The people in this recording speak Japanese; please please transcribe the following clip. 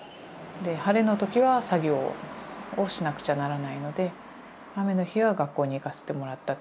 晴れの時は作業をしなくちゃならないので雨の日は学校に行かせてもらった。